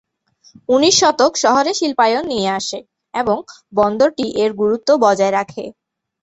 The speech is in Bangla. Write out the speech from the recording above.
উনিশ শতক শহরে শিল্পায়ন নিয়ে আসে এবং বন্দরটি এর গুরুত্ব বজায় রাখে।